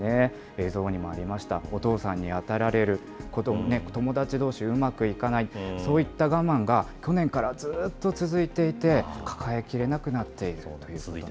映像にもありました、お父さんに当たられる、友達どうしうまくいかない、そういった我慢が、去年からずっと続いていて、抱えきれなくなっている。